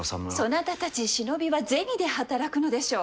そなたたち忍びは銭で働くのでしょう。